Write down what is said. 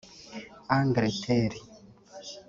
Angleterre)